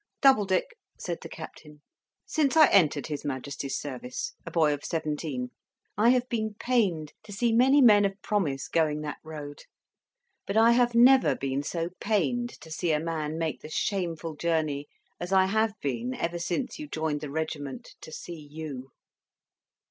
"Doubledick," said the Captain, "since I entered his Majesty's service, a boy of seventeen, I have been pained to see many men of promise going that road; but I have never been so pained to see a man make the shameful journey as I have been, ever since you joined the regiment, to see you."